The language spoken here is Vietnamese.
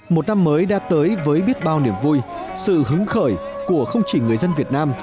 một năm mới đã tới với biết bao niềm vui sự hứng khởi của không chỉ người dân việt nam